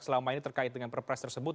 selama ini terkait dengan perpres tersebut